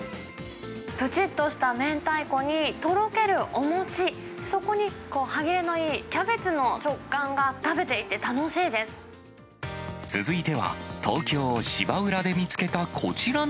ぷちっとした明太子にとろけるお餅、そこに、歯切れのいいキャベツの食感が、続いては、東京・芝浦で見つ